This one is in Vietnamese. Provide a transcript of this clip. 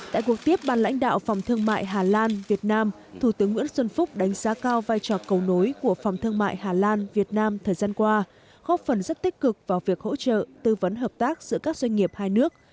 tại cuộc tiếp ban lãnh đạo phòng thương mại hà lan việt nam thủ tướng nguyễn xuân phúc đánh giá cao vai trò cầu nối của phòng thương mại hà lan việt nam thời gian qua góp phần rất tích cực vào việc hỗ trợ tư vấn hợp tác giữa các doanh nghiệp hai nước